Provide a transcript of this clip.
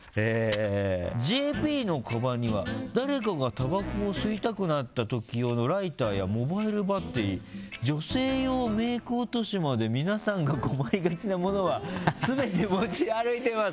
ＪＰのかばんには、誰かがたばこを吸いたくなった時用のライターやモバイルバッテリー女性用メイク落としまで皆さんが困りがちなものは全て持ち歩いています。